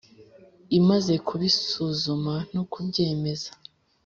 imaze kubisuzuma no kubyemeza